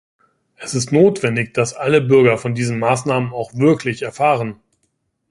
Es ist notwendig, dass alle Bürger von diesen Maßnahmen auch wirklich erfahren.